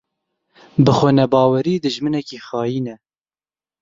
Bixwenebawerî, dijminekî xayin e.